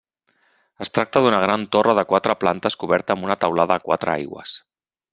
Es tracta d'una gran torre de quatre plantes coberta amb una teulada a quatre aigües.